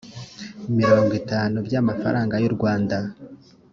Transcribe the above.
mirongo itanu by amafaranga y u rwanda